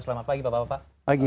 selamat pagi bapak bapak